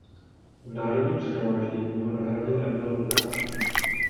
V Národním shromáždění ho nahradil Emil Lukáč.